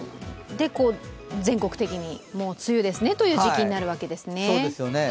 全国的に、もう梅雨ですねという時期になるんですね。